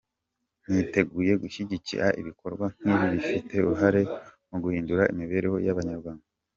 Niteguye gushyigikira ibikorwa nk’bi bifite uruhare mu guhindura imibereho y’Abanyarwanda.